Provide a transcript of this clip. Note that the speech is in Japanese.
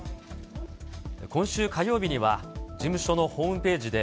今週火曜日には、事務所のホームページで、